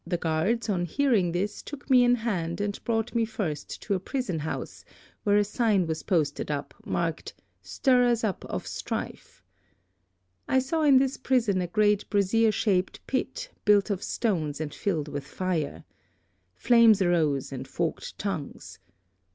"The guards, on hearing this, took me in hand and brought me first to a prison house, where a sign was posted up, marked, 'Stirrers up of Strife.' I saw in this prison a great brazier shaped pit, built of stones and filled with fire. Flames arose and forked tongues.